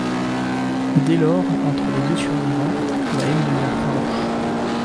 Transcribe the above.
Dès lors, entre les deux survivants, la haine devient farouche…